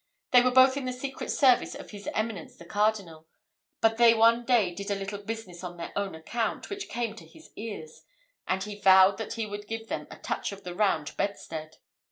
They were both in the secret service of his eminence the Cardinal; but they one day did a little business on their own account, which came to his ears; and he vowed that he would give them a touch of the round bedstead.